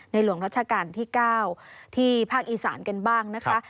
หลวงรัชกาลที่๙ที่ภาคอีสานกันบ้างนะคะ